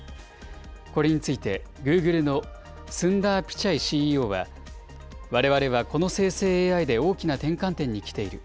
これについてグーグルのスンダー・ピチャイＣＥＯは、われわれはこの生成ＡＩで大きな転換点に来ている。